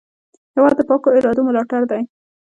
هېواد د پاکو ارادو ملاتړ دی.